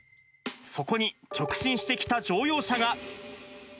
そこに、直進してきた乗用車が。